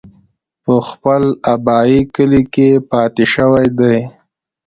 پۀ خپل ابائي کلي کښې پاتې شوے دے ۔